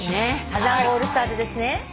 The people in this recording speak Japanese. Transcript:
サザンオールスターズですね。